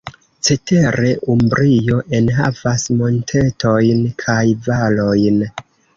Cetere, Umbrio enhavas montetojn kaj valojn.